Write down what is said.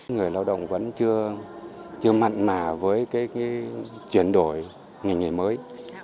người lao động vẫn chưa mặn mà với cái chuyển đổi ngành nghề mới